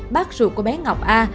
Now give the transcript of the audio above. bác ruột của bé ngọc a